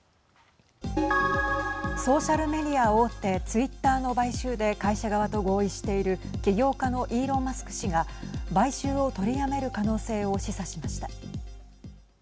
ソーシャルメディア大手ツイッターの買収で会社側と合意している起業家のイーロン・マスク氏が買収を取りやめる可能性を示唆しました。